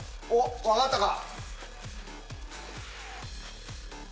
分かったか？